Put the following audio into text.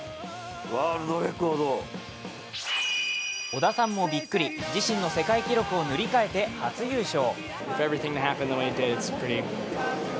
織田さんもびっくり自身の世界記録を塗り替えて初優勝。